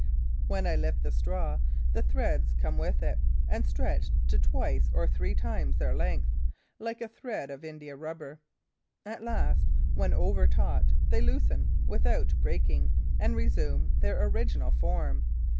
When I lift the straw, the threads come with it and stretch to twice or three times their length, like a thread of India rubber. At last, when over taut, they loosen without breaking and resume their original form.